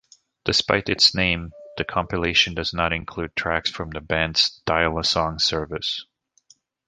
Despite its name, the compilation does not include tracks from the band's "Dial-A-Song" service.